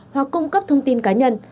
hoặc cung cấp thông tin cá nhân